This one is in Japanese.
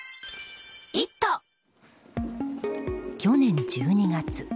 去年１２月。